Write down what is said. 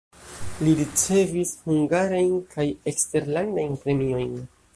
Li ricevis hungarajn kaj eksterlandajn premiojn.